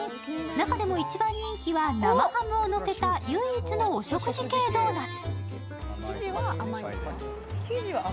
中でも一番人気は、生ハムをのせた唯一のお食事系ドーナツ。